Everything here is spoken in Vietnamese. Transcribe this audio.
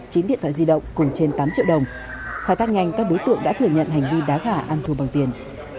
chín điện thoại di động cùng trên tám triệu đồng khởi tác nhanh các đối tượng đã thừa nhận hành vi đá gà ăn thua bằng tiền